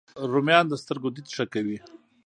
رومیان د سترګو دید ښه کوي